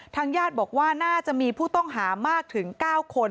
ญาติบอกว่าน่าจะมีผู้ต้องหามากถึง๙คน